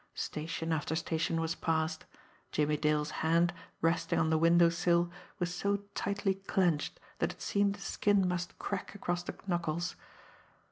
Station after station was passed. Jimmie Dale's hand, resting on the window sill, was so tightly clenched that it seemed the skin must crack across the knuckles.